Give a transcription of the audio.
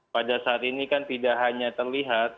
pada saat ini kan tidak hanya terlihat